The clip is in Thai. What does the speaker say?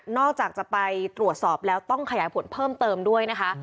จากจะไปตรวจสอบแล้วต้องขยายผลเพิ่มเติมด้วยนะคะ